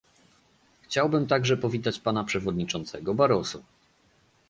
Chciałbym także powitać pana przewodniczącego Barroso